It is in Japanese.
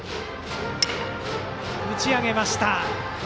打ち上げました。